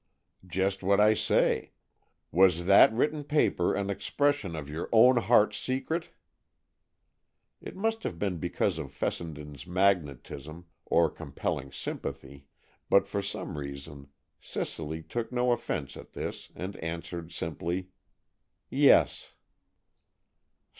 "Just what I say. Was that written paper an expression of your own heart's secret?" It must have been because of Fessenden's magnetism, or compelling sympathy, but for some reason Cicely took no offense at this, and answered simply, "Yes."